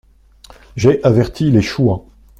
J'ai averti les chouans.